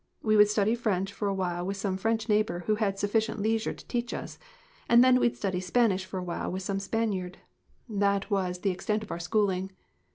We would study French for a while with some French neigh bor who had sufficient leisure to teach us, and then we'd study Spanish for a while with some Spaniard. That was the extent of our schooling.